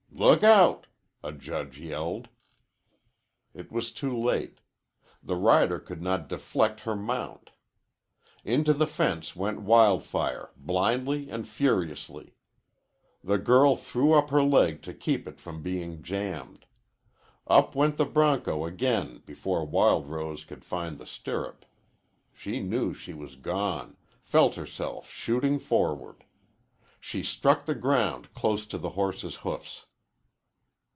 "Look out!" a judge yelled. It was too late. The rider could not deflect her mount. Into the fence went Wild Fire blindly and furiously. The girl threw up her leg to keep it from being jammed. Up went the bronco again before Wild Rose could find the stirrup. She knew she was gone, felt herself shooting forward. She struck the ground close to the horse's hoofs.